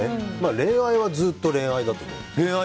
恋愛はずっと恋愛だと思う。